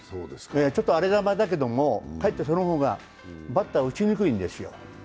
ちょっと荒れ球だけども、かえってその方がバッター、打ちにくいんですよ。